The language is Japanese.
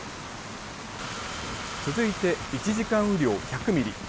続いて１時間雨量１００ミリ。